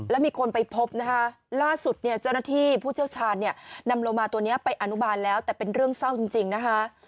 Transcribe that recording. แล้วมีคนไปพบล่าสุดเจ้าหน้าที่ผู้เจ้าชาญนำโรมาตัวนี้ไปอนุบาลแล้วแต่เป็นเรื่องเศร้าจริงนะคะ